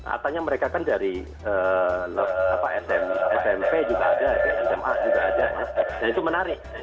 katanya mereka kan dari smp juga ada sma juga ada dan itu menarik